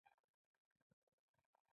کومه سندره خوښوئ؟